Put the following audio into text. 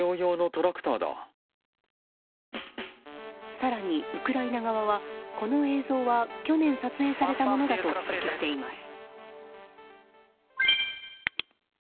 更に、ウクライナ側はこの映像は去年撮影されたものだと指摘しています。